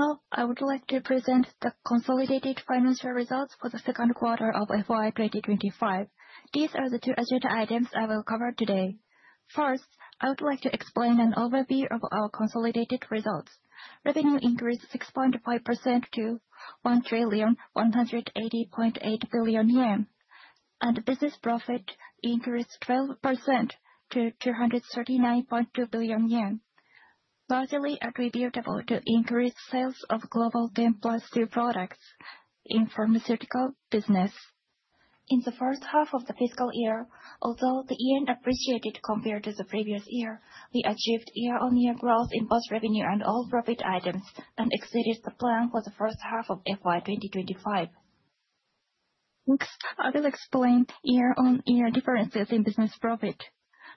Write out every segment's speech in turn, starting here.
Now, I would like to present the consolidated financial results for the second quarter of FY 2025. These are the two agenda items I will cover today. First, I would like to explain an overview of our consolidated results. Revenue increased 6.5% to 1,180.8 billion yen. Business profit increased 12% to 239.2 billion yen, largely attributable to increased sales of Global 4+2 products in pharmaceutical business. In the first half of the fiscal year, although the yen appreciated compared to the previous year, we achieved year-over-year growth in both revenue and all profit items and exceeded the plan for the first half of FY 2025. Next, I will explain year-over-year differences in business profit.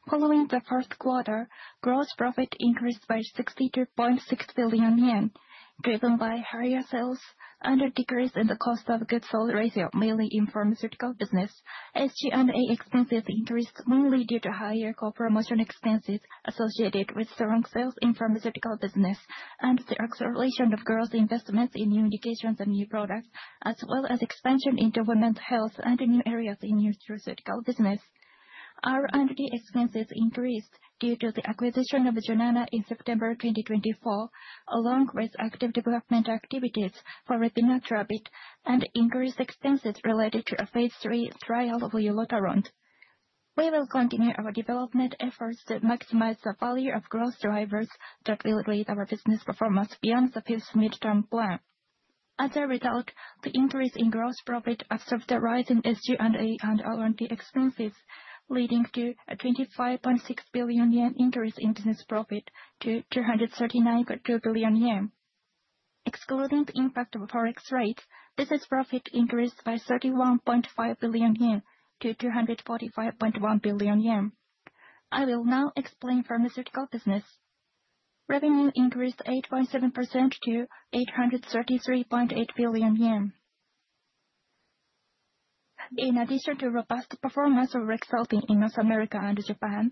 Following the first quarter, gross profit increased by 62.6 billion yen, driven by higher sales and a decrease in the cost of goods sold ratio, mainly in pharmaceutical business. SG&A expenses increased mainly due to higher co-promotion expenses associated with strong sales in pharmaceutical business and the acceleration of growth investments in new indications and new products, as well as expansion in government health and new areas in nutraceutical business. R&D expenses increased due to the acquisition of Jnana in September 2024, along with active development activities for repinatrabit and increased expenses related to a phase III trial of ulotaront. We will continue our development efforts to maximize the value of growth drivers that will lead our business performance beyond the fifth midterm plan. As a result, the increase in gross profit absorbed the rise in SG&A and R&D expenses, leading to a 25.6 billion yen increase in business profit to 239.2 billion yen. Excluding the impact of Forex rates, business profit increased by 31.5 billion yen to 245.1 billion yen. I will now explain pharmaceutical business. Revenue increased 8.5% to 833.8 billion yen. In addition to robust performance of REXULTI in North America and Japan,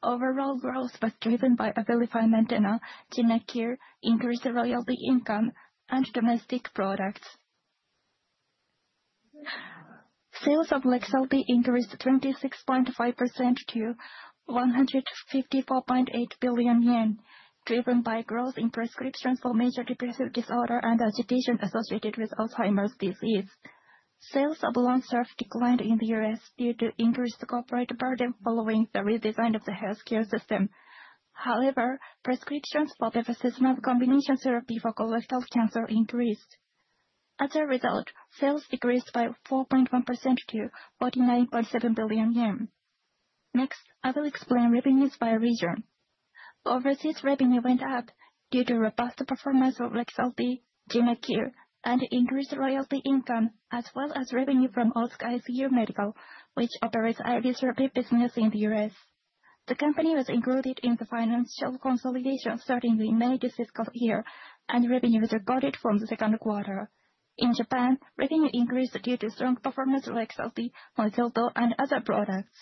overall growth was driven by ABILIFY MAINTENA, JYNARQUE, increased royalty income, and domestic products. Sales of REXULTI increased 26.5% to 154.8 billion yen, driven by growth in prescriptions for major depressive disorder and agitation associated with Alzheimer's disease. Sales of LONSURF declined in the U.S. due to increased corporate burden following the redesign of the healthcare system. However, prescriptions for the bevacizumab combination therapy for colorectal cancer increased. As a result, sales decreased by 4.1% to 49.7 billion yen. Next, I will explain revenues by region. Overseas revenue went up due to robust performance of REXULTI, JYNARQUE, and increased royalty income, as well as revenue from Otsuka ICU Medical, which operates IV therapy business in the U.S. The company was included in the financial consolidation starting in May this fiscal year, and revenue was recorded from the second quarter. In Japan, revenue increased due to strong performance of REXULTI, Moizerto, and other products.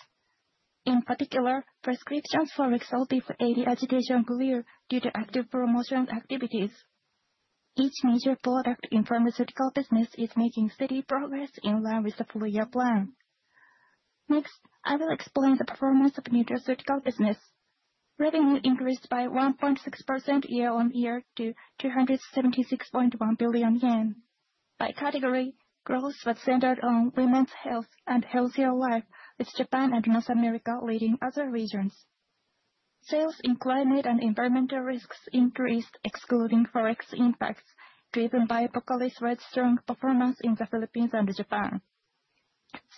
In particular, prescriptions for REXULTI for AD agitation cleared due to active promotional activities. Each major product in pharmaceutical business is making steady progress in line with the full-year plan. Next, I will explain the performance of nutraceutical business. Revenue increased by 1.6% year-over-year to 276.1 billion yen. By category, growth was centered on For Women's Health and For Healthier Life, with Japan and North America leading other regions. Sales in climate and environmental risks increased, excluding Forex impacts, driven by Pocari Sweat's strong performance in the Philippines and Japan.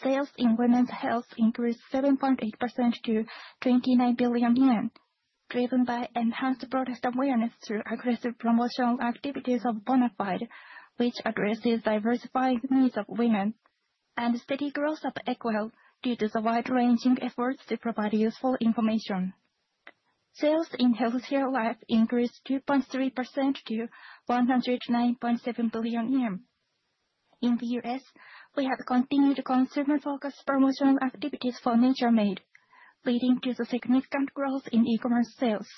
Sales in women's health increased 7.5% to 29 billion yen, driven by enhanced product awareness through aggressive promotional activities of Bonafide, which addresses diversifying needs of women, and steady growth of EQUELLE due to the wide-ranging efforts to provide useful information. Sales in For Healthier Life increased 2.3% to 109.7 billion yen. In the U.S., we have continued consumer-focused promotional activities for Nature Made, leading to the significant growth in e-commerce sales.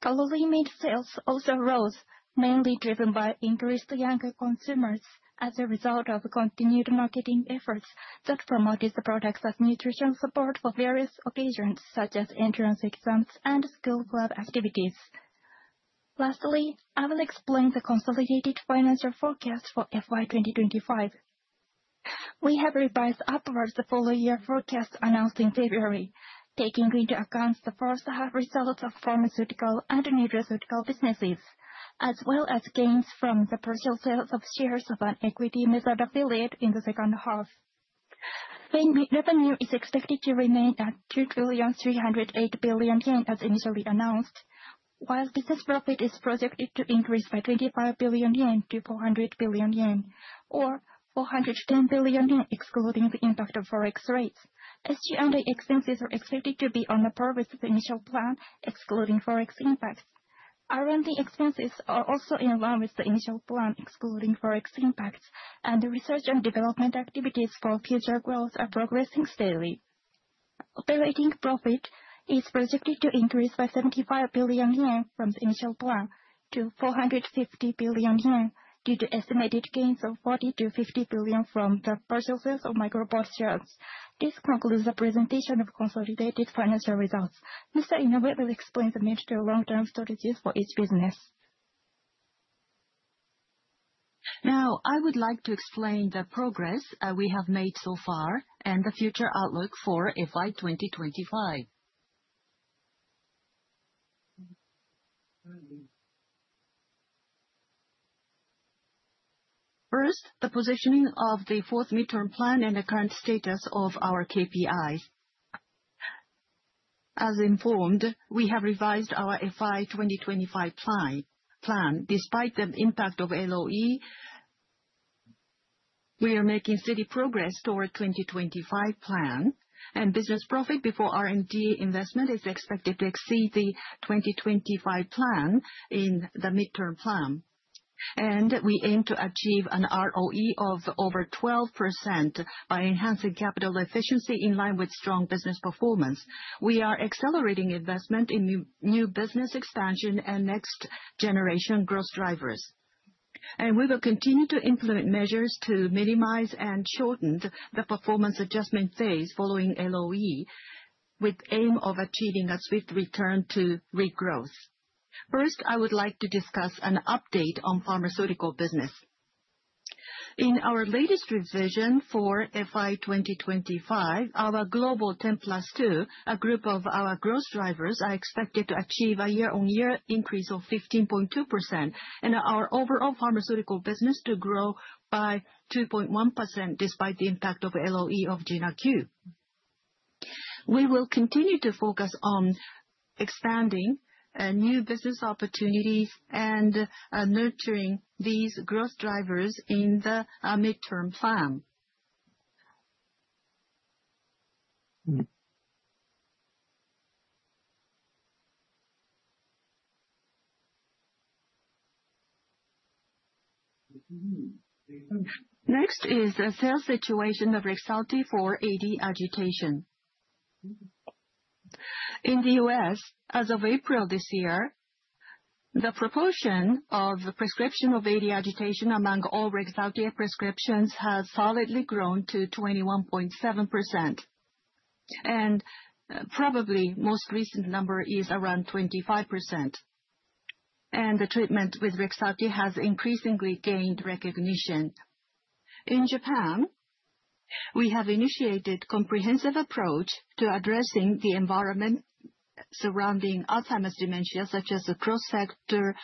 CalorieMate sales also rose, mainly driven by increased younger consumers as a result of continued marketing efforts that promoted the products as nutrition support for various occasions such as entrance exams and school club activities. Lastly, I will explain the consolidated financial forecast for FY 2025. We have revised upwards the full-year forecast announced in February, taking into account the first half results of pharmaceutical and nutraceutical businesses, as well as gains from the partial sales of shares of an equity method affiliate in the second half. Revenue is expected to remain at 2,308 billion yen as initially announced, while business profit is projected to increase by 25 billion yen to 400 billion yen, or 410 billion yen excluding the impact of forex rates. SG&A expenses are expected to be on par with the initial plan, excluding forex impacts. R&D expenses are also in line with the initial plan, excluding forex impacts, and research and development activities for future growth are progressing steadily. Operating profit is projected to increase by 75 billion yen from the initial plan to 450 billion yen due to estimated gains of 40 billion-50 billion from the purchases of MicroPort shares. This concludes the presentation of consolidated financial results. Mr. Inoue will explain the mid to long-term strategies for each business. I would like to explain the progress we have made so far and the future outlook for FY 2025. The positioning of the fourth mid-term plan and the current status of our KPIs. As informed, we have revised our FY 2025 plan. Despite the impact of LOE, we are making steady progress toward 2025 plan, and business profit before R&D investment is expected to exceed the 2025 plan in the mid-term plan. We aim to achieve an ROE of over 12% by enhancing capital efficiency in line with strong business performance. We are accelerating investment in new business expansion and next-generation growth drivers. We will continue to implement measures to minimize and shorten the performance adjustment phase following LOE, with aim of achieving a swift return to regrowth. I would like to discuss an update on pharmaceutical business. In our latest revision for FY 2025, our global 10+2, a group of our growth drivers, are expected to achieve a year-on-year increase of 15.2% and our overall pharmaceutical business to grow by 2.1% despite the impact of LOE of JINARC. We will continue to focus on expanding new business opportunities and nurturing these growth drivers in the mid-term plan. The sales situation of REXULTI for AD agitation. In the U.S., as of April this year, the proportion of the prescription of AD agitation among all REXULTI prescriptions has solidly grown to 21.7%. Probably, most recent number is around 25%. The treatment with REXULTI has increasingly gained recognition. In Japan, we have initiated comprehensive approach to addressing the environment surrounding Alzheimer's disease, such as the cross-sector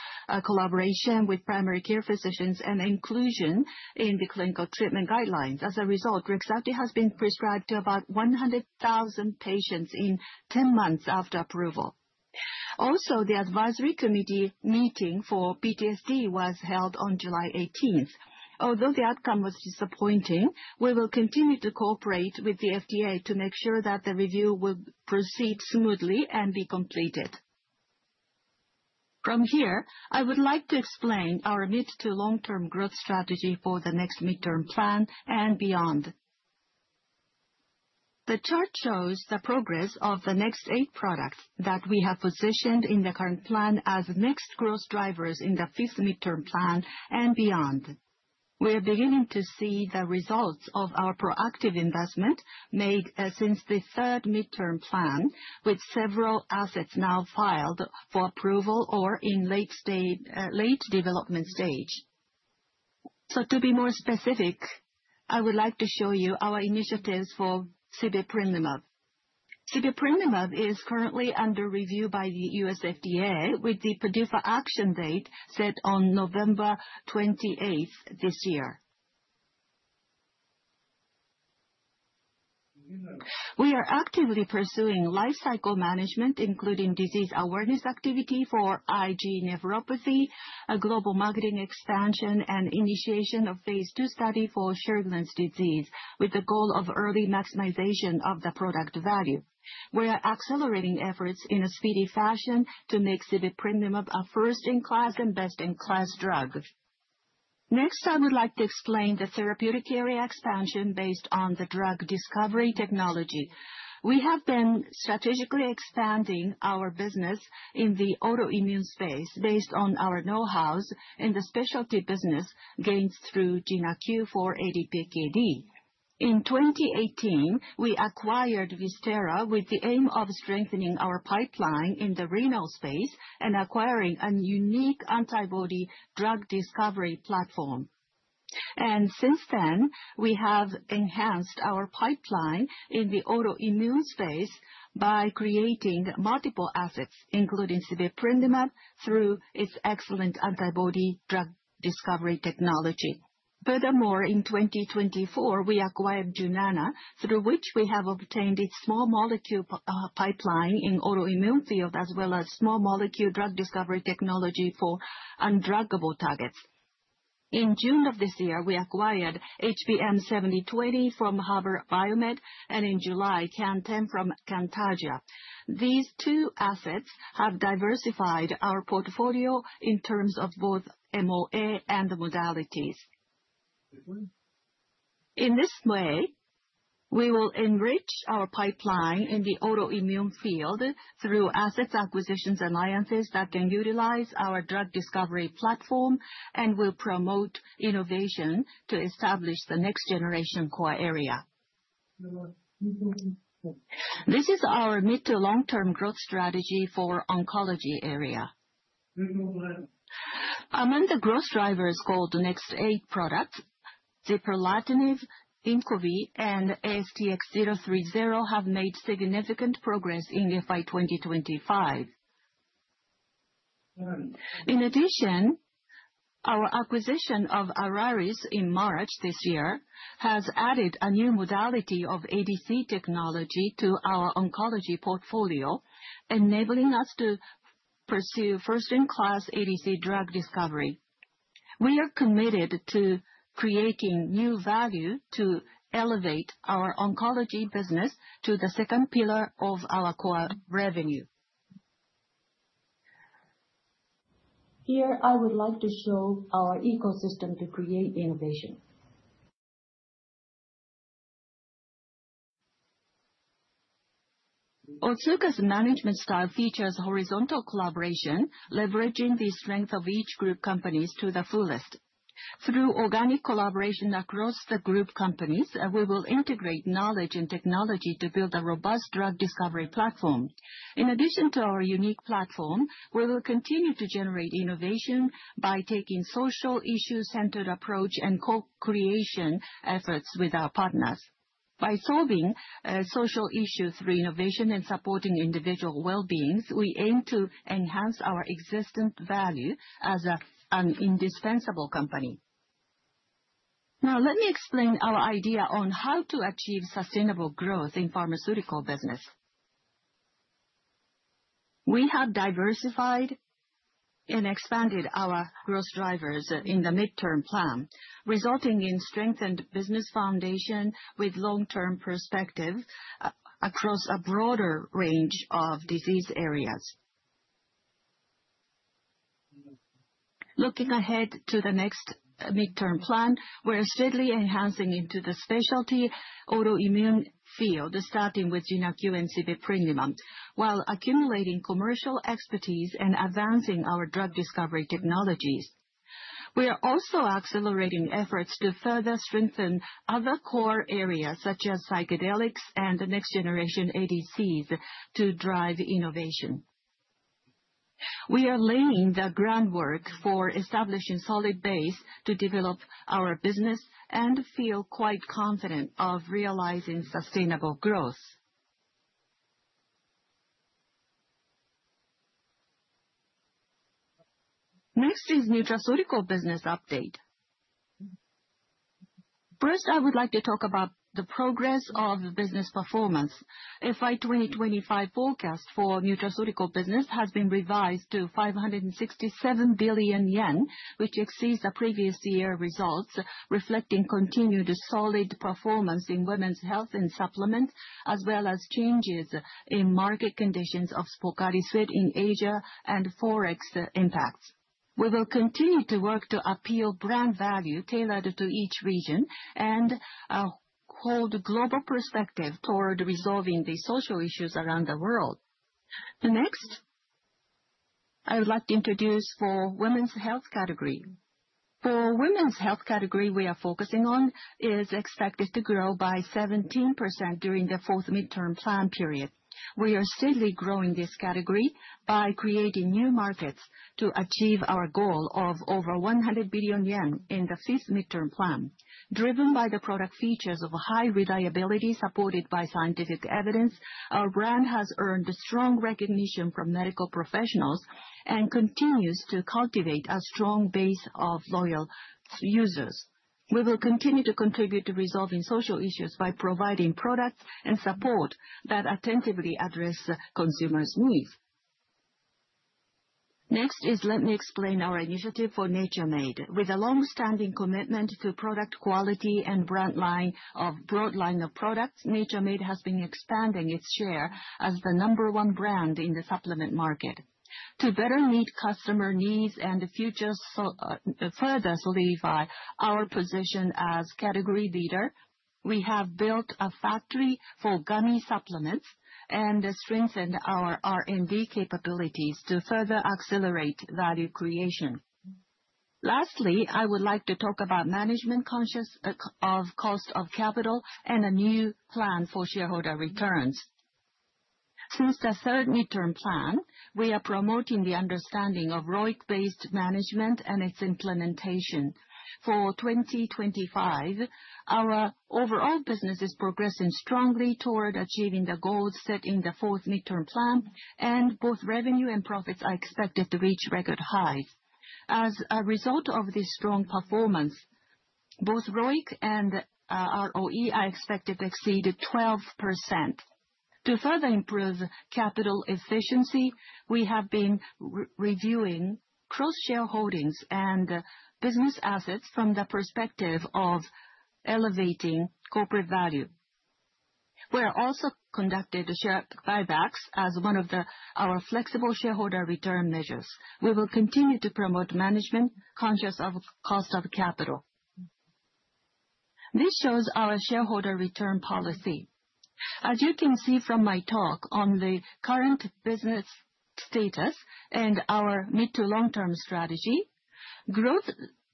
collaboration with primary care physicians and inclusion in the clinical treatment guidelines. As a result, REXULTI has been prescribed to about 100,000 patients in 10 months after approval. Also, the advisory committee meeting for PTSD was held on July 18th. Although the outcome was disappointing, we will continue to cooperate with the FDA to make sure that the review will proceed smoothly and be completed. I would like to explain our mid to long-term growth strategy for the next mid-term plan and beyond. The chart shows the progress of the Next VIII products that we have positioned in the current plan as next growth drivers in the fifth mid-term plan and beyond. We are beginning to see the results of our proactive investment made since the third mid-term plan, with several assets now filed for approval or in late development stage. To be more specific, I would like to show you our initiatives for sibeprenlimab. sibeprenlimab is currently under review by the U.S. FDA with the PDUFA action date set on November 28th this year. We are actively pursuing lifecycle management, including disease awareness activity for IgA nephropathy, a global marketing expansion, and initiation of phase II study for Sjögren's disease, with the goal of early maximization of the product value. We are accelerating efforts in a speedy fashion to make sibeprenlimab a first-in-class and best-in-class drug. I would like to explain the therapeutic area expansion based on the drug discovery technology. We have been strategically expanding our business in the autoimmune space based on our know-hows in the specialty business gained through JINARC for ADPKD. In 2018, we acquired Visterra with the aim of strengthening our pipeline in the renal space and acquiring a unique antibody drug discovery platform. Since then, we have enhanced our pipeline in the autoimmune space by creating multiple assets, including sibeprenlimab, through its excellent antibody drug discovery technology. In 2024, we acquired Jnana, through which we have obtained its small molecule pipeline in autoimmune field, as well as small molecule drug discovery technology for undruggable targets. In June of this year, we acquired HBM-7020 from Harbour BioMed, and in July, CAN10 from Cantargia. These two assets have diversified our portfolio in terms of both MOA and modalities. We will enrich our pipeline in the autoimmune field through assets acquisitions alliances that can utilize our drug discovery platform and will promote innovation to establish the next generation core area. This is our mid to long-term growth strategy for oncology area. Among the growth drivers called Next VIII products, zipalertinib, INQOVI, and ASTX030 have made significant progress in FY 2025. In addition, our acquisition of Araris in March this year has added a new modality of ADC technology to our oncology portfolio, enabling us to pursue first-in-class ADC drug discovery. We are committed to creating new value to elevate our oncology business to the second pillar of our core revenue. I would like to show our ecosystem to create innovation. Otsuka's management style features horizontal collaboration, leveraging the strength of each group companies to the fullest. Through organic collaboration across the group companies, we will integrate knowledge and technology to build a robust drug discovery platform. In addition to our unique platform, we will continue to generate innovation by taking social issue-centered approach and co-creation efforts with our partners. By solving social issues through innovation and supporting individual well-beings, we aim to enhance our existent value as an indispensable company. Let me explain our idea on how to achieve sustainable growth in pharmaceutical business. We have diversified and expanded our growth drivers in the midterm plan, resulting in strengthened business foundation with long-term perspective across a broader range of disease areas. Looking ahead to the next midterm plan, we're steadily enhancing into the specialty autoimmune field, starting with JYNARQUE and sibeprenlimab, while accumulating commercial expertise and advancing our drug discovery technologies. We are also accelerating efforts to further strengthen other core areas such as psychiatry and next generation ADCs to drive innovation. We are laying the groundwork for establishing solid base to develop our business and feel quite confident of realizing sustainable growth. Nutraceutical business update. I would like to talk about the progress of business performance. FY 2025 forecast for nutraceutical business has been revised to 567 billion yen, which exceeds the previous year results, reflecting continued solid performance in women's health and supplements, as well as changes in market conditions of Pocari Sweat in Asia and Forex impacts. We will continue to work to appeal brand value tailored to each region and hold global perspective toward resolving the social issues around the world. I would like to introduce For Women's Health category. For Women's Health category, we are focusing on is expected to grow by 17% during the fourth midterm plan period. We are steadily growing this category by creating new markets to achieve our goal of over 100 billion yen in the fifth midterm plan. Driven by the product features of high reliability supported by scientific evidence, our brand has earned a strong recognition from medical professionals and continues to cultivate a strong base of loyal users. We will continue to contribute to resolving social issues by providing products and support that attentively address consumers' needs. Let me explain our initiative for Nature Made. With a long-standing commitment to product quality and broad line of products, Nature Made has been expanding its share as the number one brand in the supplement market. To better meet customer needs and further solidify our position as category leader, we have built a factory for gummy supplements and strengthened our R&D capabilities to further accelerate value creation. I would like to talk about management conscious of cost of capital and a new plan for shareholder returns. Since the third midterm plan, we are promoting the understanding of ROIC-based management and its implementation. For 2025, our overall business is progressing strongly toward achieving the goals set in the fourth midterm plan, and both revenue and profits are expected to reach record highs. As a result of this strong performance, both ROIC and ROE are expected to exceed 12%. To further improve capital efficiency, we have been reviewing cross-shareholdings and business assets from the perspective of elevating corporate value. We have also conducted share buybacks as one of our flexible shareholder return measures. We will continue to promote management conscious of cost of capital. This shows our shareholder return policy. As you can see from my talk on the current business status and our mid to long-term strategy, growth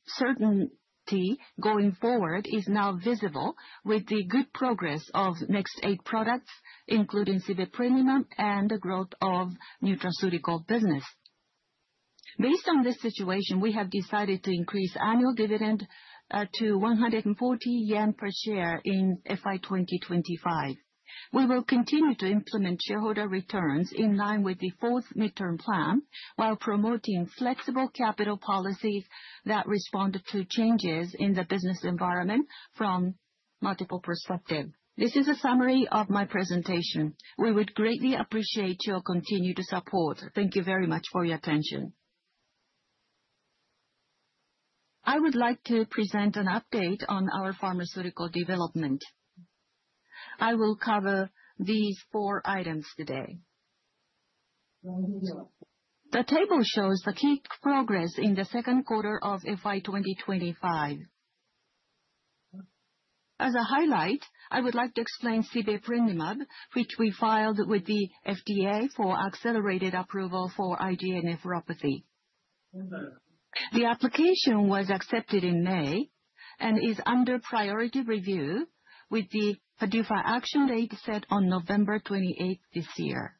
certainty going forward is now visible with the good progress of Next VIII products, including sibeprenlimab, and the growth of nutraceutical business. Based on this situation, we have decided to increase annual dividend to 140 yen per share in FY 2025. We will continue to implement shareholder returns in line with the fourth midterm plan while promoting flexible capital policies that respond to changes in the business environment from multiple perspective. This is a summary of my presentation. We would greatly appreciate your continued support. Thank you very much for your attention. I would like to present an update on our pharmaceutical development. I will cover these four items today. The table shows the key progress in the second quarter of FY 2025. As a highlight, I would like to explain sibeprenlimab, which we filed with the FDA for accelerated approval for IgA nephropathy. The application was accepted in May and is under priority review with the PDUFA action date set on November 28th this year.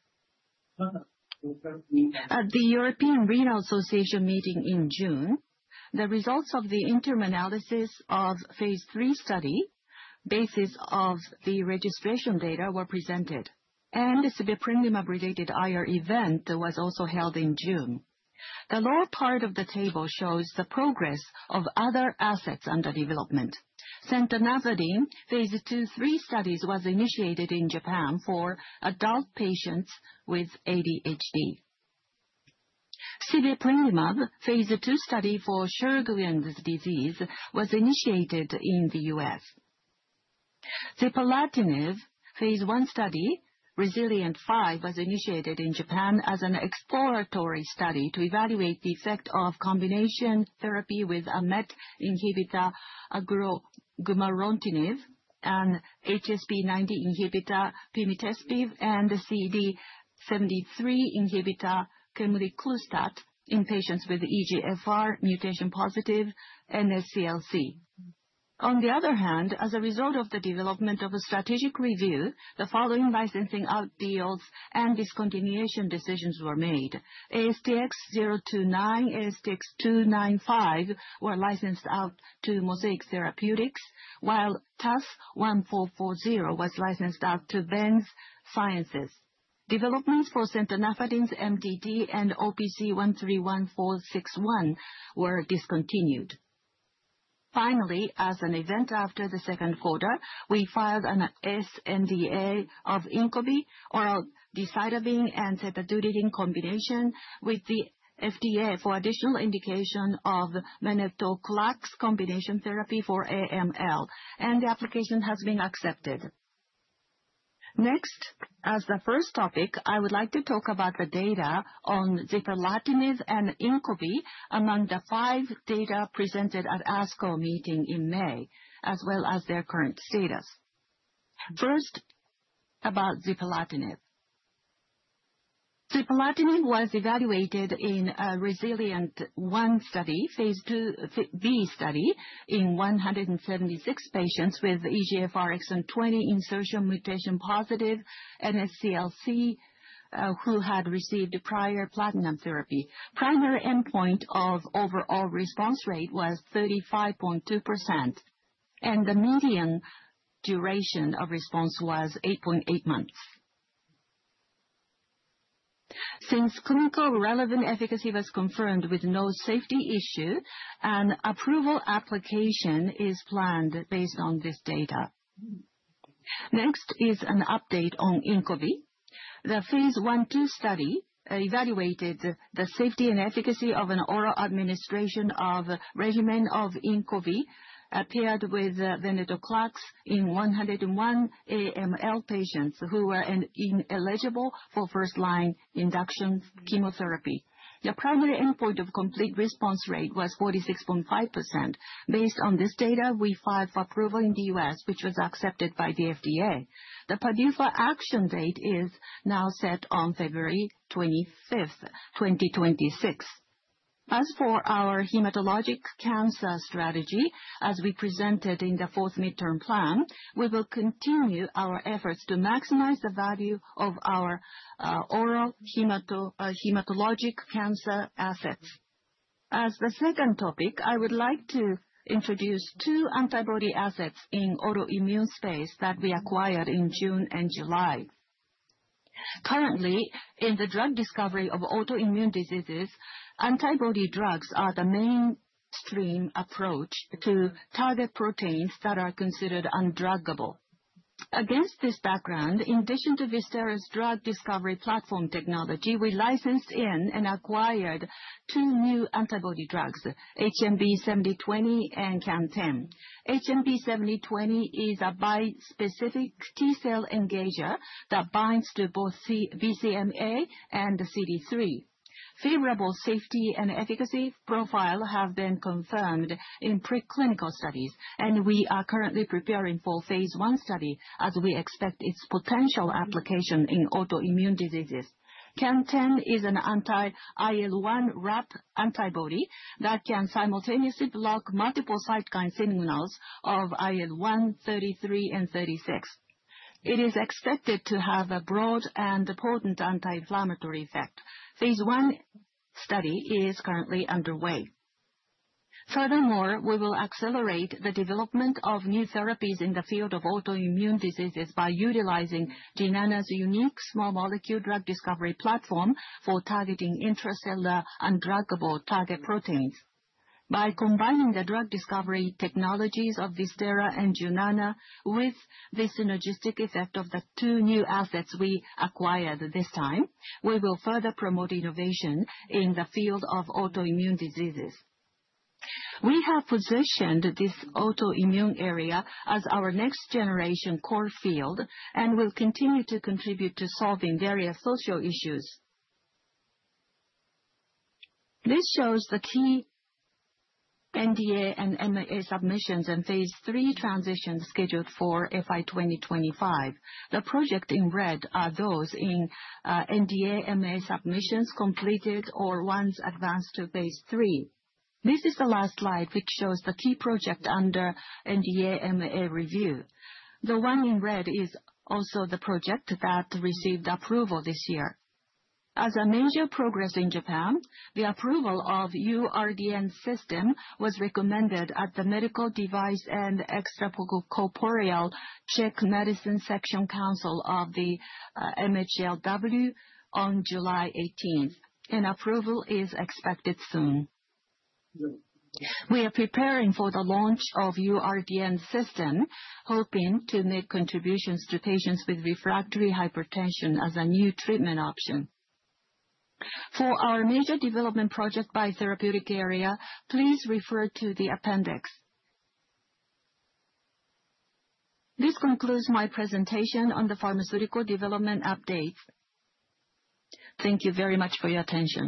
At the European Renal Association meeting in June, the results of the interim analysis of phase III study, basis of the registration data were presented, and the sibeprenlimab-related IR event was also held in June. The lower part of the table shows the progress of other assets under development. Centanafadine phase II/III studies was initiated in Japan for adult patients with ADHD. Sibeprenlimab phase II study for Sjögren's disease was initiated in the U.S. Zipalertinib phase I study, REZILIENT-5, was initiated in Japan as an exploratory study to evaluate the effect of combination therapy with a MET inhibitor, gumarontinib, an HSP90 inhibitor, pimitespib, and the CD73 inhibitor, quemliclustat, in patients with EGFR mutation-positive NSCLC. On the other hand, as a result of the development of a strategic review, the following licensing out deals and discontinuation decisions were made. ASTX029, ASTX295 were licensed out to Mosaic Therapeutics, while TAS-1440 was licensed out to Vence Sciences. Developments for centanafadine's MDD and OPC-131461 were discontinued. Finally, as an event after the second quarter, we filed an sNDA of INQOVI, oral decitabine and cedazuridine combination with the FDA for additional indication of venetoclax combination therapy for AML, and the application has been accepted. Next, as the first topic, I would like to talk about the data on zipalertinib and INQOVI among the five data presented at ASCO meeting in May, as well as their current status. First, about zipalertinib. Zipalertinib was evaluated in a REZILIENT1 study, phase II-B study in 176 patients with EGFR exon 20 insertion mutation-positive NSCLC, who had received prior platinum therapy. Primary endpoint of overall response rate was 35.2%, and the median duration of response was 8.8 months. Since clinical relevant efficacy was confirmed with no safety issue, an approval application is planned based on this data. Next is an update on INQOVI. The phase I/II study evaluated the safety and efficacy of an oral administration of regimen of INQOVI paired with venetoclax in 101 AML patients who were ineligible for first-line induction chemotherapy. The primary endpoint of complete response rate was 46.5%. Based on this data, we filed for approval in the U.S., which was accepted by the FDA. The PDUFA action date is now set on February 25, 2026. As for our hematologic cancer strategy, as we presented in the fourth mid-term plan, we will continue our efforts to maximize the value of our oral hematologic cancer assets. As the second topic, I would like to introduce two antibody assets in autoimmune space that we acquired in June and July. Currently, in the drug discovery of autoimmune diseases, antibody drugs are the mainstream approach to target proteins that are considered undruggable. Against this background, in addition to Visterra's drug discovery platform technology, we licensed in and acquired two new antibody drugs, HBM-7020 and CAN10. HBM-7020 is a bispecific T-cell engager that binds to both BCMA and CD3. Favorable safety and efficacy profile have been confirmed in preclinical studies, and we are currently preparing for phase I study as we expect its potential application in autoimmune diseases. CAN10 is an anti-IL-1RAP antibody that can simultaneously block multiple cytokine signals of IL-1, 33, and 36. It is expected to have a broad and potent anti-inflammatory effect. Phase I study is currently underway. Furthermore, we will accelerate the development of new therapies in the field of autoimmune diseases by utilizing Jnana's unique small molecule drug discovery platform for targeting intracellular undruggable target proteins. By combining the drug discovery technologies of Visterra and Jnana with the synergistic effect of the two new assets we acquired this time, we will further promote innovation in the field of autoimmune diseases. We have positioned this autoimmune area as our next generation core field and will continue to contribute to solving various social issues. This shows the key NDA and MAA submissions and phase III transitions scheduled for FY 2025. The project in red are those in, NDA/MAA submissions completed or ones advanced to phase III. This is the last slide, which shows the key project under NDA/MAA review. The one in red is also the project that received approval this year. As a major progress in Japan, the approval of U-RDN system was recommended at the Medical Device and Extracorporeal Circulatory Medicine Section Council of the MHLW on July 18, and approval is expected soon. We are preparing for the launch of U-RDN system, hoping to make contributions to patients with refractory hypertension as a new treatment option. For our major development project by therapeutic area, please refer to the appendix. This concludes my presentation on the pharmaceutical development update. Thank you very much for your attention.